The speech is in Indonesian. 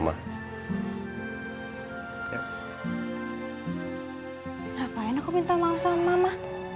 ngapain aku minta maaf sama mama